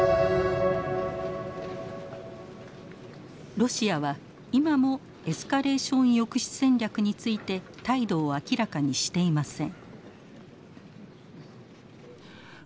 ロシアは今もエスカレーション抑止戦略について態度を明らかにしていません。